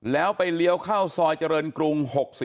แล้วไปเลี้ยวเข้าซอยเจริญกรุง๖๔